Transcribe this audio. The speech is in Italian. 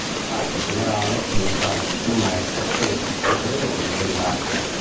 Acqua minerale, uno scandalo sommerso" ed "I predoni dell'acqua.